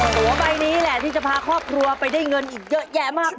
ตัวใบนี้แหละที่จะพาครอบครัวไปได้เงินอีกเยอะแยะมาก